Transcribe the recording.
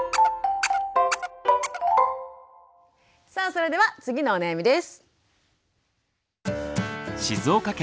さあそれでは次のお悩みです。